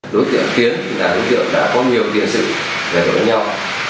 đối tượng tiến là đối tượng đã có nhiều tiền sự về đối nhau